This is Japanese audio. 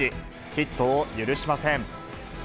ヒットを許しません。